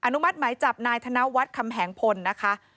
นุมัติหมายจับนายธนวัฒน์คำแหงพลนะคะ